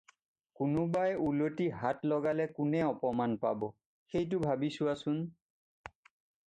কোনোবাই উলটি হাত লগালে কোনে অপমান পাব, সেইটো ভাবি চোৱাচোন।